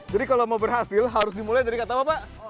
jadi kalau mau berhasil harus dimulai dari kata apa pak